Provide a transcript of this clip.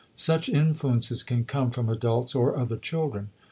Such influences can come from adults or other children.